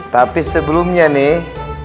tapi sebelumnya nih